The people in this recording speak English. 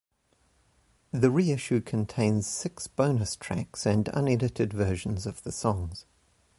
The re-issue contains six bonus tracks and unedited versions of the songs.